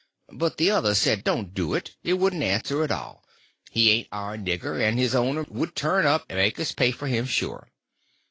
But the others said, don't do it, it wouldn't answer at all; he ain't our nigger, and his owner would turn up and make us pay for him, sure.